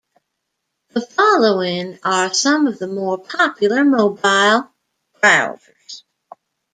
The following are some of the more popular mobile browsers.